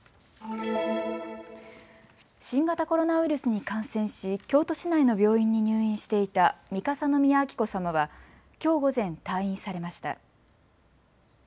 新型コロナウイルスに感染し京都市内の病院に入院していた三笠宮彬子さまはきょう午前、退院されました。